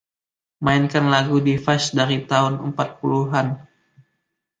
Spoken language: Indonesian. Mainkan lagu Device dari tahun empat-puluhan.